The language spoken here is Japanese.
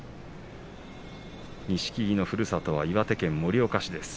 錦木のふるさとは岩手県盛岡市です。